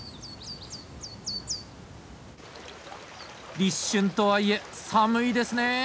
立春とはいえ寒いですね。